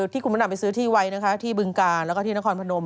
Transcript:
ที่คุณมดำไปซื้อที่ไว้นะคะที่บึงกาลแล้วก็ที่นครพนม